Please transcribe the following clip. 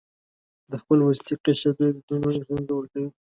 د خپل وروستي قشر دوه الکترونونه اکسیجن ته ورکوي.